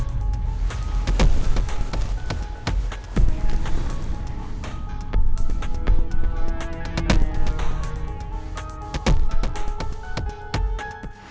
aku mau buktikan